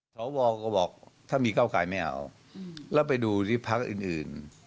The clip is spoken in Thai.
สวก็บอกถ้ามีเก้าไกลไม่เอาแล้วไปดูที่พักอื่น